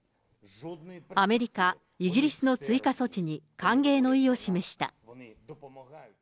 アメリカ、イギリスの追加措置に歓迎の意を示した。